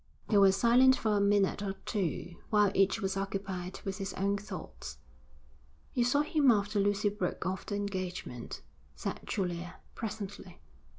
They were silent for a minute or two, while each was occupied with his own thoughts. 'You saw him after Lucy broke off the engagement,' said Julia, presently.